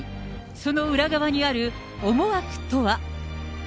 その裏側にある思惑とは。